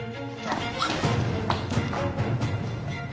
あっ！